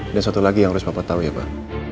dan satu lagi yang harus papa tau ya pak